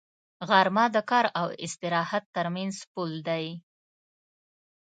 غرمه د کار او استراحت تر منځ پل دی